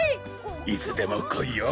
いつでもこいよ！